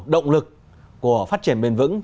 động lực của phát triển bền vững